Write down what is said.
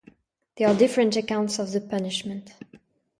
There are different accounts of the punishment.